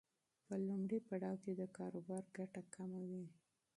په لومړي پړاو کې د کاروبار ګټه کمه وي.